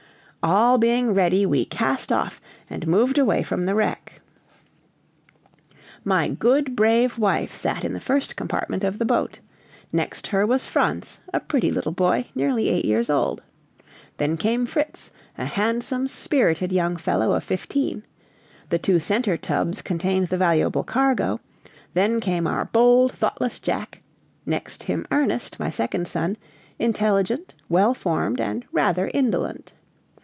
All being ready, we cast off, and moved away from the wreck. My good, brave wife sat in the first compartment of the boat; next her was Franz, a pretty little boy, nearly eight years old. Then came Fritz, a handsome, spirited young fellow of fifteen; the two center tubs contained the valuable cargo; then came our bold, thoughtless Jack; next him Ernest, my second son, intelligent, well formed, and rather indolent.